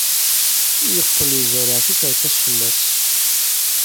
Yeqqel izerreɛ tikerkas fell-as.